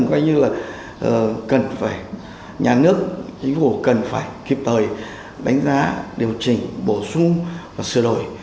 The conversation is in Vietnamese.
coi như là cần phải nhà nước chính phủ cần phải kịp thời đánh giá điều chỉnh bổ sung và sửa đổi